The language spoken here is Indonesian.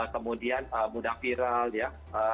kemudian mudah viral ya